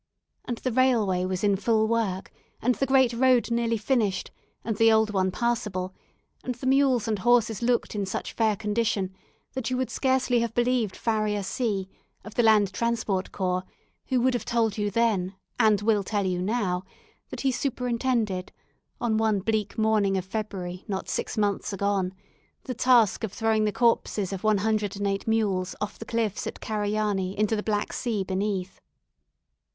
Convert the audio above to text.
And the railway was in full work, and the great road nearly finished, and the old one passable, and the mules and horses looked in such fair condition, that you would scarcely have believed Farrier C , of the Land Transport Corps, who would have told you then, and will tell you now, that he superintended, on one bleak morning of February, not six months agone, the task of throwing the corpses of one hundred and eight mules over the cliffs at Karanyi into the Black Sea beneath.